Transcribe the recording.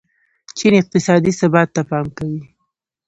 چین اقتصادي ثبات ته پام کوي.